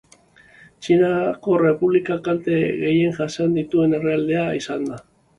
Txinako Errepublika kalte gehien jasan dituen herrialdea izan da.